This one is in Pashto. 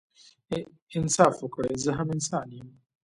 انصاف وکړئ زه هم انسان يم